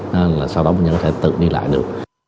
nên là sau đó bệnh nhân có thể tự đi lại được